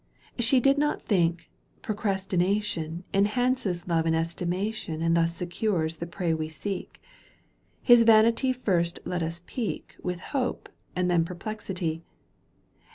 She did not think "procrastination Enhances love in estimation And thus secures the prey we seek. His vanity first let us pique With hope and then perplexity.